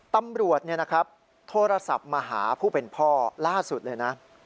ตำรวจโทรศัพท์มาหาผู้เป็นพ่อล่าสุดเลยนะ